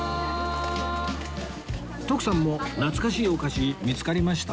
徳さんも懐かしいお菓子見付かりました？